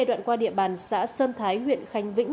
đoạn qua địa bàn xã sơn thái huyện khánh vĩnh